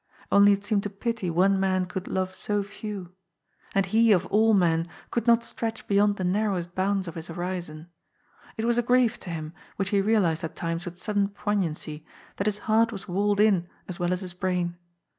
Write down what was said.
Only it seemed a pity one man could loye so few. And he, of all men, could not stretch beyond the narrowest bounds of his horizon. It was a grief to him, which he realized at times with sudden poignancy, that his heart was walled in as well as his brain.